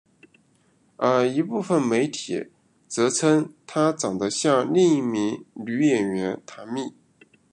而一部分媒体则称她长得像另一名女演员坛蜜。